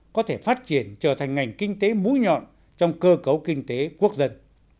có thể phát triển trở thành ngành kinh tế mũi nhọn trong cơ cấu kinh tế quốc dân